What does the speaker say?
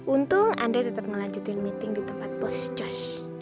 untung andri tetep ngelanjutin meeting di tempat bos josh